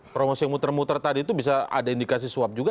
promosi yang muter muter tadi itu bisa ada indikasi suap juga